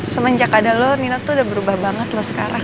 semenjak ada lo nina tuh udah berubah banget loh sekarang